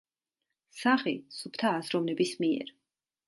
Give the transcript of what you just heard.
საღი, სუფთა აზროვნების მიერ.